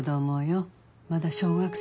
まだ小学生の。